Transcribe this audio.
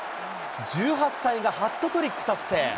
１８歳がハットトリック達成。